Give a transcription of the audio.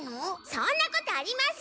そんなことありません！